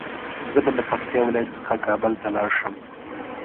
زه به له پکتيا ولايت څخه کابل ته لاړ شم